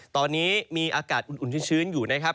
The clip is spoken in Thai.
ตอนนี้มีอากาศอุ่นชื้นอยู่นะครับ